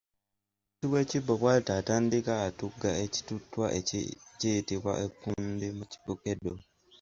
Omulusi w'ekibbo bwata atandika atugga ekituttwa kiyitibwa Ekkundi mu bukeedo.